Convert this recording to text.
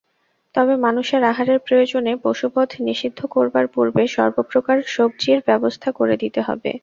তবে মানুষের আহারের প্রয়োজনে পশুবধ নিষিদ্ধ করবার পূর্বে সর্বপ্রকার সব্জির ব্যবস্থা করে দিতে হবে।